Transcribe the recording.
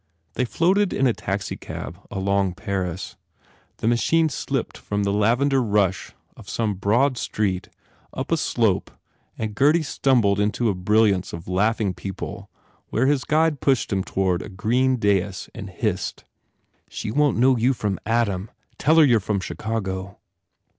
They floated in a taxicab along Paris. The machine slipped from the lavender rush of some broad street up a slope and Gurdy stumbled into a brilliance of laughing people where his guide pushed him toward a green dais and hissed, "She won t know you from Adam. Tell her you re from Chicago."